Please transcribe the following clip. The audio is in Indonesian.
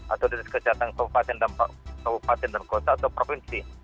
atau dinas kesehatan kabupaten dan kota atau provinsi